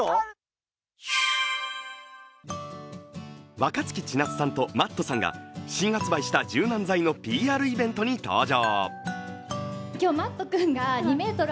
若槻千夏さんとＭａｔｔさんが新発売した柔軟剤のＰＲイベントに登場。